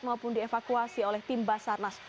maupun dievakuasi oleh tim basarnas